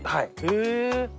へえ。